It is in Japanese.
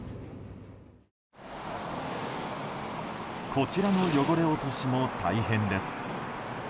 こちらの汚れ落としも大変です。